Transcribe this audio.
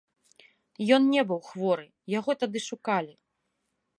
Ён не быў хворы, яго тады шукалі.